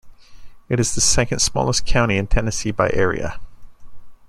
It is the second-smallest county in Tennessee by area.